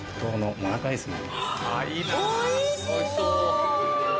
おいしそう！